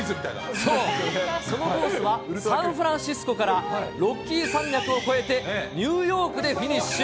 そう、そのコースはサンフランシスコからロッキー山脈を越えてニューヨークでフィニッシュ。